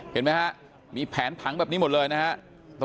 เห็นไหมฮะมีแผนผังแบบนี้หมดเลยนะครับ